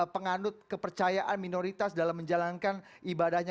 penganut kepercayaan minoritas dalam menjalankan ibadahnya